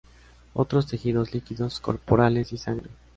Otros tejidos, líquidos corporales y sangre.